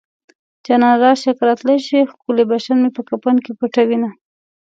جانانه راشه که راتلی شې ښکلی بشر مې په کفن کې پټوينه